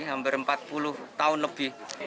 hampir empat puluh tahun lebih